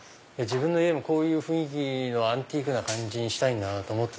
自分の家もこういう雰囲気のアンティークな感じにしたい。